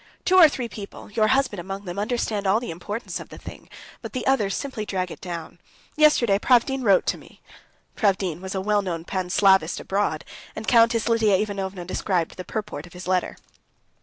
Two or three people, your husband among them, understand all the importance of the thing, but the others simply drag it down. Yesterday Pravdin wrote to me...." Pravdin was a well known Panslavist abroad, and Countess Lidia Ivanovna described the purport of his letter.